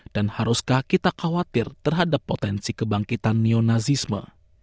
dan haruskah kita khawatir terhadap potensi kebangkitan neo nazisme